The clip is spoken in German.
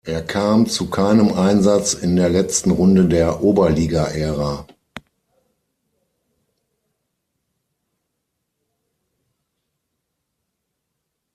Er kam zu keinem Einsatz in der letzten Runde der Oberliga-Ära.